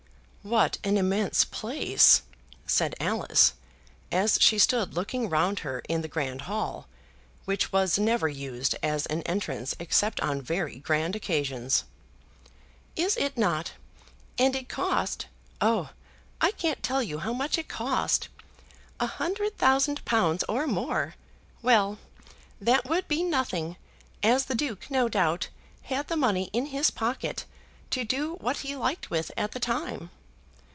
"What an immense place!" said Alice, as she stood looking round her in the grand hall, which was never used as an entrance except on very grand occasions. "Is it not? And it cost oh, I can't tell you how much it cost. A hundred thousand pounds or more. Well; that would be nothing, as the Duke no doubt had the money in his pocket to do what he liked with at the time.